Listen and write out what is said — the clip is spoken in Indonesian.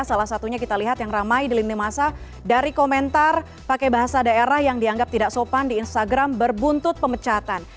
salah satunya kita lihat yang ramai di lini masa dari komentar pakai bahasa daerah yang dianggap tidak sopan di instagram berbuntut pemecatan